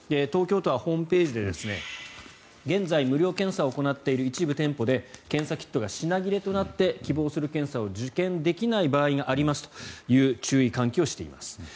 東京都はホームページで現在、無料検査を行っている一部店舗で検査キットが品切れとなって希望する検査を受検できない場合がありますという注意喚起をしています。